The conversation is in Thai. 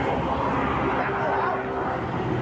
กลับแผลไอ้